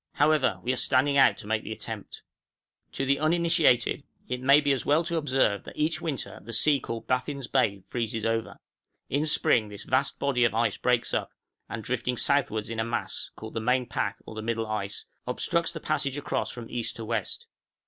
However, we are standing out to make the attempt. {PASSAGE THROUGH BAFFIN'S BAY.} To the uninitiated it may be as well to observe that each winter the sea called Baffin's Bay freezes over; in spring this vast body of ice breaks up, and drifting southward in a mass called the main pack, or the middle ice obstructs the passage across from east to west.